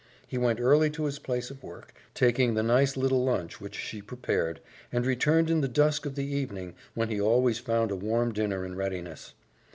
He went early to his place of work, taking the nice little lunch which she prepared, and returned in the dusk of the evening when he always found a warm dinner in readiness.